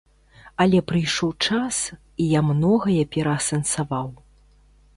Але прыйшоў час, і я многае пераасэнсаваў.